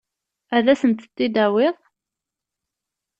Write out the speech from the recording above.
Ad as-tent-id-tawiḍ?